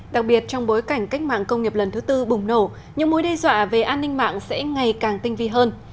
đặc biệt trong bối cảnh cách mạng công nghiệp lần thứ tư bùng nổ những mối đe dọa về an ninh mạng sẽ ngày càng tinh vi hơn